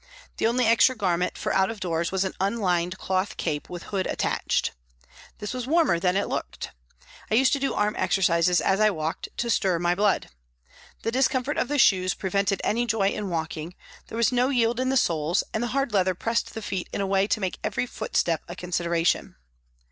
The only extra garment for out of doors was an unlined cloth cape with hood attached. This was warmer than it looked. I used to do arm exercises as I walked to stir my blood. The discomfort of the shoes pre vented any joy in walking, there was no yield in the soles and the hard leather pressed the feet in a way to make every footstep a consideration.